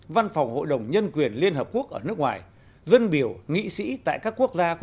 văn phòng hội đồng nhân quyền liên hợp quốc ở nước ngoài dân biểu nghị sĩ tại các quốc gia có